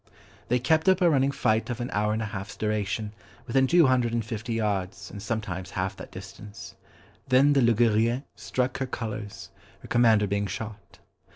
They kept up a running fight of an hour and an half's duration, within two hundred and fifty yards, and sometimes half that distance. Then the Ligurienne struck her colours, her commander being shot.